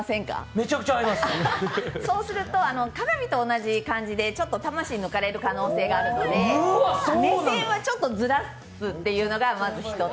めちゃくちゃ合いますそうすると、鏡と同じ感じでちょっと魂抜かれる可能性あるので、目線はちょっとずらすというのが、まず１つ。